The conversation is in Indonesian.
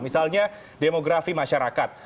misalnya demografi masyarakat